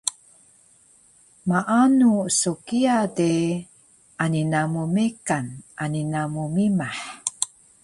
Maanu so kiya de ani namu mekan ani namu mimah